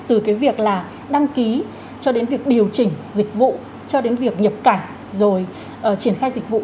từ cái việc là đăng ký cho đến việc điều chỉnh dịch vụ cho đến việc nhập cảnh rồi triển khai dịch vụ